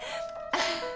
ああ。